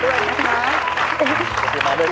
ขอบคุณมากด้วยนะครับ